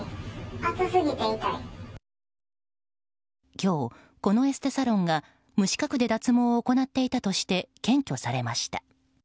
今日、このエステサロンが無資格で脱毛を行っていたとして検挙されました。